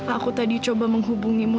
aku tadi coba menghubungimu